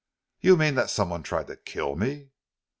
"You mean that some one tried to kill me?"